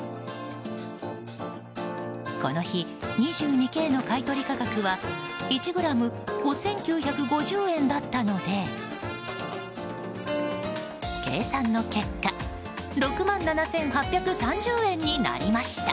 この日、２２Ｋの買い取り価格は１ｇ５９５０円だったので計算の結果６万７８３０円になりました。